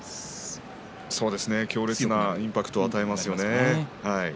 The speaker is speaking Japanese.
そうですね強烈なインパクトを与えますよね。